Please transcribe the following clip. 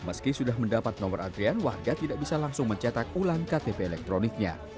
meski sudah mendapat nomor antrian warga tidak bisa langsung mencetak ulang ktp elektroniknya